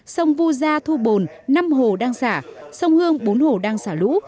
sông vu gia thu bồn năm hồ đang xả sông hương bốn hồ đang xả lũ